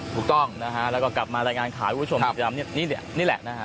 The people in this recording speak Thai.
ถูกต้องแล้วก็กลับมารายงานขายให้ผู้ชมจำนี่แหละนะครับ